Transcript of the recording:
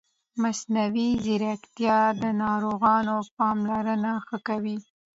مصنوعي ځیرکتیا د ناروغانو پاملرنه ښه کوي.